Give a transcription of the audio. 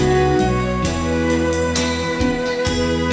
สวัสดีครับ